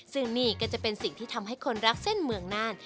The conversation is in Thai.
ซึ่งนี่ก็จะเป็นสิ่งที่ทำให้คนรักเส้นเมืองน่าน